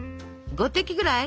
５滴ぐらい？